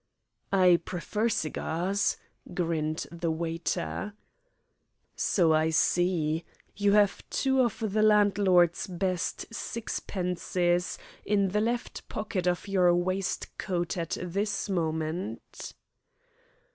"I prefer cigars," grinned the waiter. "So I see. You have two of the landlord's best 'sixpences' in the left pocket of your waistcoat at this moment."